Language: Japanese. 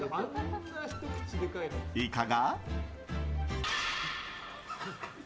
いかが？